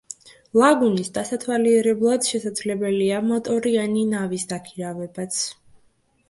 ლაგუნის დასათვალიერებლად შესაძლებელია მოტორიანი ნავის დაქირავებაც.